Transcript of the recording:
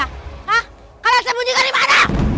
hah kalian sembunyikan di mana